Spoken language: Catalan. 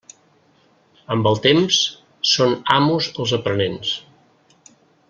Amb el temps, són amos els aprenents.